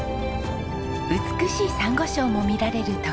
美しいサンゴ礁も見られる徳之島。